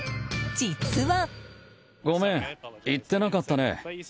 実は。